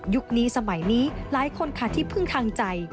นี้สมัยนี้หลายคนค่ะที่พึ่งทางใจ